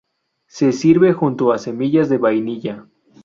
Se sirve junto a semillas de vainilla.